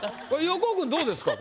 横尾君どうですか？